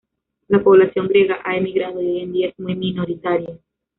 La población griega ha emigrado y hoy en día es muy minoritaria.